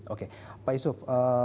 oke pak yusuf